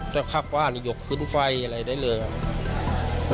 จะคลากว้านหยกขึ้นไฟอะไรได้เลยครับ